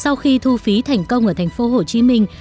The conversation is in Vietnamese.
sau khi thu phí thành công ở thành phố hồ chí minh